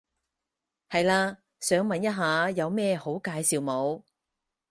係嘞，想問一下有咩好介紹冇？